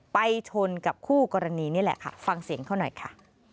ไปชนกับคู่กรณีนี่แหละค่ะฟังเสียงเขาหน่อยค่ะ